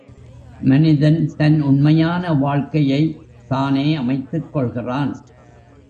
மனிதன் தன் உண்மையான வாழ்க்கையைத் தானே அமைத்துக் கொள்கிறான்.